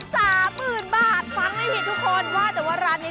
ฟังให้ผิดทุกคนว่าแต่ว่าร้านนี้เขามีเคล็ดลับที่เด็ดอะไรยังไง